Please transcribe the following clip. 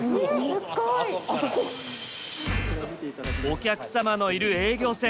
お客様のいる営業線。